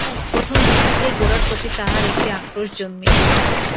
প্রথম দৃষ্টিতেই গোরার প্রতি তাহার একটা আক্রোশ জন্মিল।